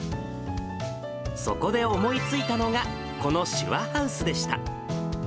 そこで思いついたのが、このしゅわハウスでした。